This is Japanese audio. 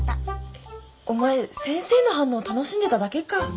えっお前先生の反応を楽しんでただけか。